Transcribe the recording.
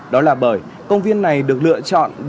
đó là bởi công viên này được lựa chọn để làm điểm